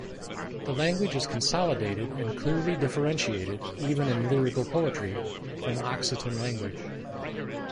The language is consolidated and clearly differenciated, even in lyrical poetry, from Occitan language.